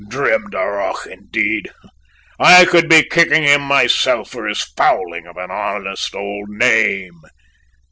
Drimdarroch, indeed! I could be kicking him myself for his fouling of an honest old name."